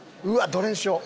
どれにしよう？